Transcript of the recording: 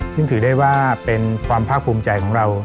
ซึ่งถือได้ว่าเป็นความภาคภูมิใจของเรา